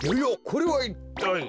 これはいったい。